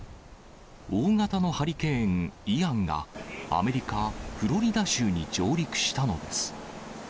大型のハリケーン・イアンが、アメリカ・フロリダ州に上陸したのです。